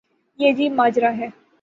یہ عجیب ماجرا ہے۔